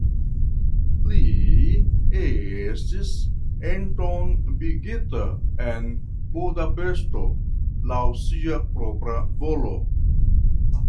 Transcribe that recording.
Li estis entombigita en Budapeŝto laŭ sia propra volo.